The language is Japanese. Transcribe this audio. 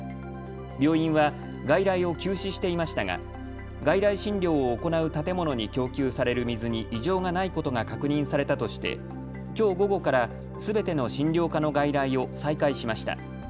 病院は外来を休止していましたが外来診療を行う建物に供給される水に異常がないことが確認されたとしてきょう午後からすべての診療科の外来を再開しました。